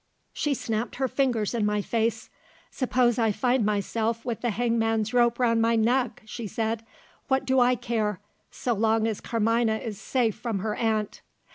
She snapped her fingers in my face. 'Suppose I find myself with the hangman's rope round my neck,' she said, 'what do I care, so long as Carmina is safe from her aunt?